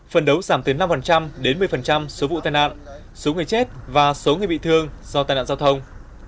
phần đấu giảm từ năm đến một mươi số vụ tai nạn số người chết và số người bị thương do tai nạn giao thông